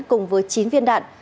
cùng với chín viên đạn